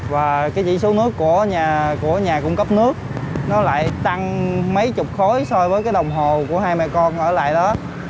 và cái chỉ số nước của nhà cung cấp nước nó lại tăng mấy chục khối so với cái đồng hồ của hai mẹ con ở lại đó